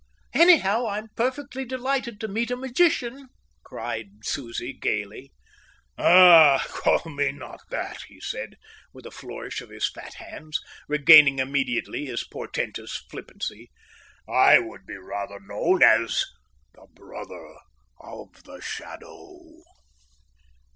"Anyhow, I'm perfectly delighted to meet a magician," cried Susie gaily. "Ah, call me not that," he said, with a flourish of his fat hands, regaining immediately his portentous flippancy. "I would be known rather as the Brother of the Shadow."